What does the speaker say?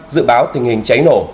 dự báo tình hình cháy nổ